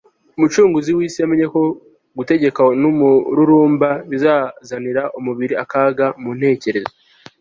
umucunguzi w'isi yamenye ko gutegekwa n'umururumba bizazanira umubiri akaga mu ntekerezo